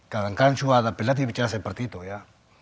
kadang kadang sudah ada pelatih bicara seperti itu ya